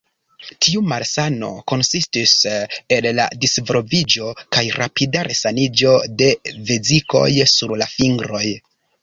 Tiu malsano konsistis el la disvolviĝo kaj rapida resaniĝo de vezikoj sur la fingroj.